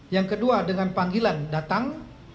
yang kedua dengan panggilan datang